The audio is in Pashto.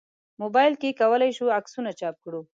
موبایل کې کولای شو عکسونه چاپ کړو.